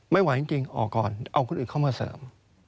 ไม่ไหวจริงออกก่อนเอาคนอื่นเข้ามาเสริม